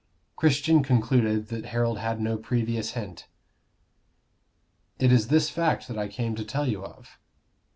Christian concluded that Harold had no previous hint. "It is this fact, that I came to tell you of."